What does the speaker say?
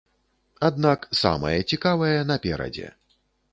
Аднак самае цікавае наперадзе.